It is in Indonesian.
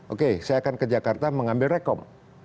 oke saya akan ke jakarta mengambil rekom